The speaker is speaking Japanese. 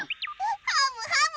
ハムハム！